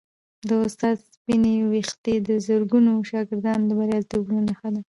د استاد سپینې ویښتې د زرګونو شاګردانو د بریالیتوبونو نښه ده.